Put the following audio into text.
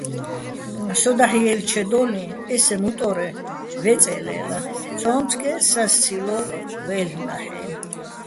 სო დაჰ̦ ჲელჩედო́ლიჼ ესე მუტო́რე ვეწე́ ლე́ლაჼ, ცო́მცგეჸ სასცილო́ ვაჲლ'ნა́ჰ̦-ა́ჲნო̆.